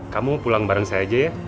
kamu pulang bareng saya aja ya